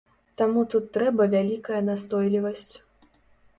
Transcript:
Таму тут трэба вялікая настойлівасць.